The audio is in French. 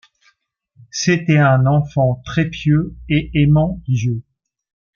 C'était un enfant très pieux et aimant Dieu.